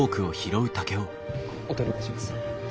お取りいたします。